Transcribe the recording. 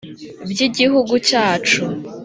By’igihugu cyacu;